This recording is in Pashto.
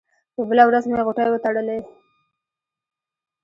په بله ورځ مې غوټې وتړلې.